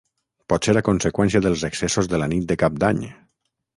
Potser a conseqüència dels excessos de la nit de cap d’any.